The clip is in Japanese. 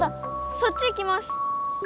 そっち行きます！